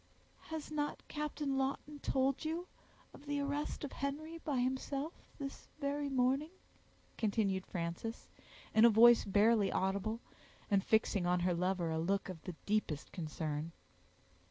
"Has not Captain Lawton told you of the arrest of Henry by himself this very morning?" continued Frances, in a voice barely audible, and fixing on her lover a look of the deepest concern.